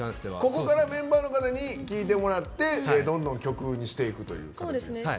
ここからメンバーの方に聴いてもらってどんどん曲にしてくという感じですか。